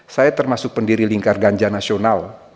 saya termasuk pendiri lingkar ganja nasional